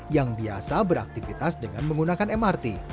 yang biasa beraktivitas dengan menggunakan mrt